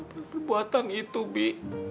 perbuatan itu bi